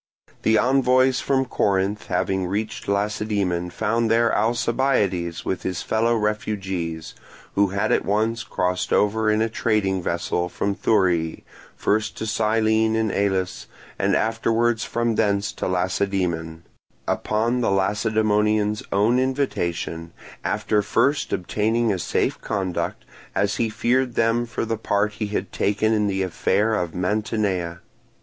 The envoys from Corinth having reached Lacedaemon found there Alcibiades with his fellow refugees, who had at once crossed over in a trading vessel from Thurii, first to Cyllene in Elis, and afterwards from thence to Lacedaemon; upon the Lacedaemonians' own invitation, after first obtaining a safe conduct, as he feared them for the part he had taken in the affair of Mantinea.